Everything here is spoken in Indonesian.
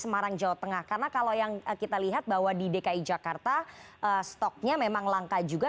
semarang jawa tengah karena kalau yang kita lihat bahwa di dki jakarta stoknya memang langka juga